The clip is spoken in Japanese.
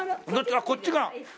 あっこっちか！